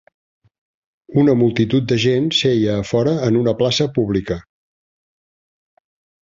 Una multitud de gent seia a fora en una plaça pública.